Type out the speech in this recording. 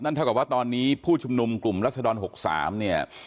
เท่ากับว่าตอนนี้ผู้ชุมนุมกลุ่มรัศดร๖๓เนี่ย